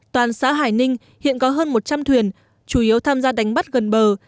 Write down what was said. toàn xã hải ninh hiện có hơn một trăm linh thuyền chủ yếu tham gia đánh bắt gần bờ